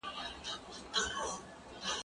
زه پرون کتاب وليکم،